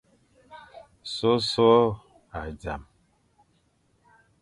Sôsôe a zam.